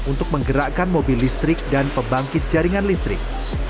untuk menggerakkan mobil listrik dan pembangkit jaringan listrik